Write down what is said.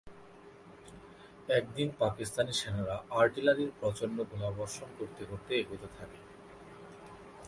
একদিন পাকিস্তানি সেনারা আর্টিলারির প্রচণ্ড গোলাবর্ষণ করতে করতে এগোতে থাকে।